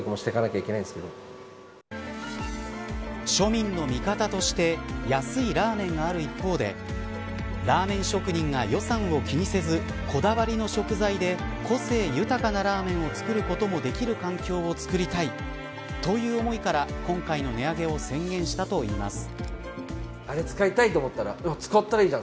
庶民の味方として安いラーメンがある一方でラーメン職人が予算を気にせずこだわりの食材で個性豊かなラーメンを作ることもできる環境を作りたいという思いから今回の値上げを宣言したといいます。